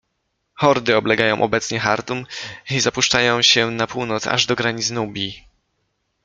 Hordy oblegają obecnie Chartum i zapuszczają się na północ aż do granic Nubii.